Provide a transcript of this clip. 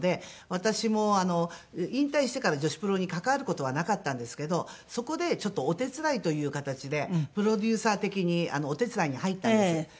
私も引退してから女子プロに関わる事はなかったんですけどそこでちょっとお手伝いという形でプロデューサー的にお手伝いに入ったんです。